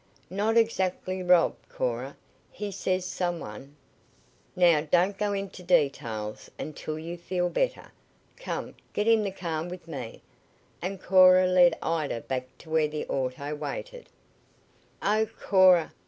"Not exactly rob, Cora. He says some one " "Now don't go into details until you feel better. Come, get in the car with me," and Cora led Ida back to where the auto waited. "Oh; Cora!